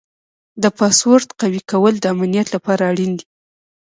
د پاسورډ قوي کول د امنیت لپاره اړین دي.